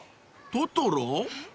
［トトロ？］